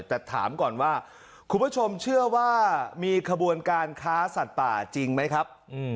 แต่ถามก่อนว่าคุณผู้ชมเชื่อว่ามีขบวนการค้าสัตว์ป่าจริงไหมครับ